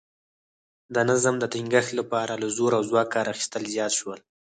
د نظم د ټینګښت لپاره له زور او ځواکه کار اخیستل زیات شول